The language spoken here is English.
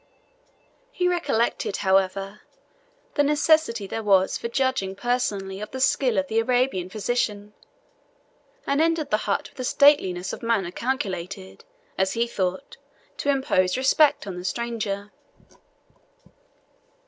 He recollected, however, the necessity there was for judging personally of the skill of the Arabian physician, and entered the hut with a stateliness of manner calculated, as he thought, to impose respect on the stranger.